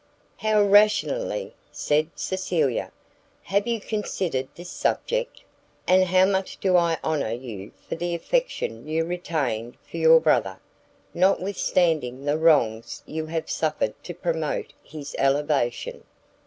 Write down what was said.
"How rationally," said Cecilia, "have you considered this subject! and how much do I honour you for the affection you retain for your brother, notwithstanding the wrongs you have suffered to promote his elevation!"